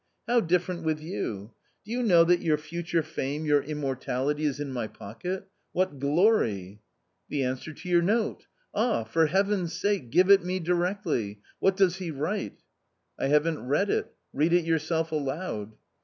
How different with you? do you know that your future fame, your immortality is in my pocket ?— what glory !"" The answer to your note. Ah, for Heaven's sake, give it me directly; what does he write ?"" I haven't read it ; read it yourself aloud."